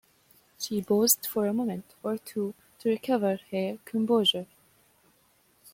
She paused for a moment or two to recover her composure.